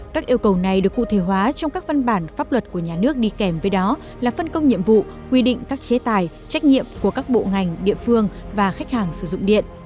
các yêu cầu này được cụ thể hóa trong các văn bản pháp luật của nhà nước đi kèm với đó là phân công nhiệm vụ quy định các chế tài trách nhiệm của các bộ ngành địa phương và khách hàng sử dụng điện